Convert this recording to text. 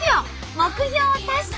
目標達成！